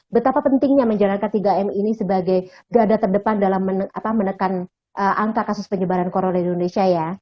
betapa pentingnya menjalankan tiga m ini sebagai gada terdepan dalam menekan angka kasus penyebaran corona di indonesia ya